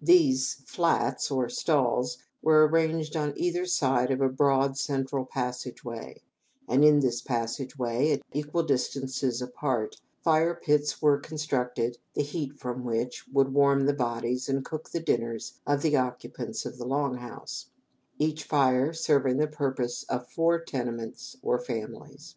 These "flats" or stalls were arranged on either side of a broad, central passage way, and in this passage way, at equal distances apart, fire pits were constructed, the heat from which would warm the bodies and cook the dinners of the occupants of the "long house," each fire serving the purpose of four tenements or families.